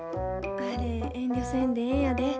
あれ遠慮せんでええんやで。